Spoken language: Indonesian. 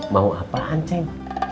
mau apaan ceng